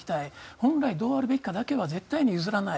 本来どうあるべきかだけは絶対に譲らない。